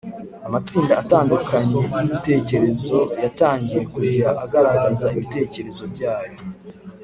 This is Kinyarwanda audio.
amatsinda atandukanye y’ibitekerezo yatangiye kujya agaragaza ibitekerezo byayo